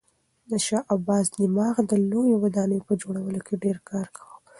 د شاه عباس دماغ د لویو ودانیو په جوړولو کې ډېر کار کاوه.